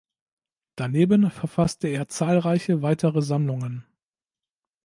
Daneben verfasste er zahlreiche weitere Sammlungen.